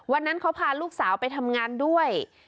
วันนั้นเขาพาลูกสาวไปทำงานด้วย